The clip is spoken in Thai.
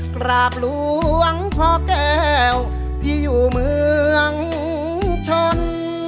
กราบหลวงพ่อแก้วที่อยู่เมืองชน